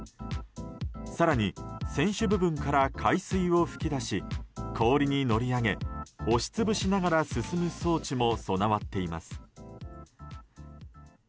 更に、船首部分から海水を噴き出し氷に乗り上げ押し潰しながら進む装置も備わっています。